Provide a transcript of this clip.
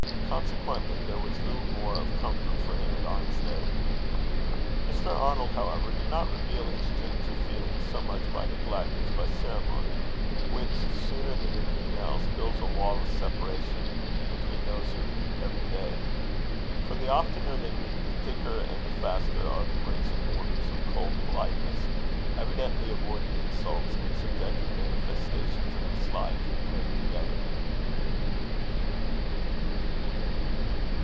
Consequently, there was little more of comfort for him at Arnstead. Mr. Arnold, however, did not reveal his change of feeling so much by neglect as by ceremony, which, sooner than anything else, builds a wall of separation between those who meet every day. For the oftener they meet, the thicker and the faster are the bricks and mortar of cold politeness, evidently avoided insults, and subjected manifestations of dislike, laid together.